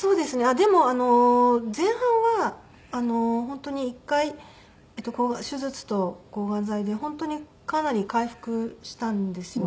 でも前半は本当に一回手術と抗がん剤で本当にかなり回復したんですよ。